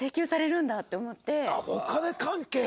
お金関係か。